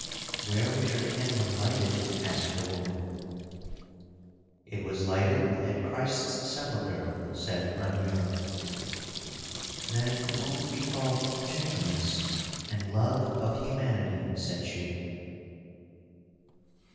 "Where was your candle lighted?" asked the woman. "It was lighted at Christ's sepulchre," said Raniero. "Then it can only be called Gentleness and Love of Humanity," said she.